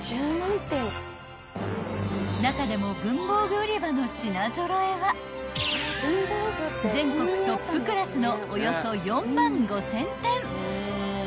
［中でも文房具売り場の品揃えは全国トップクラスのおよそ４万５，０００点］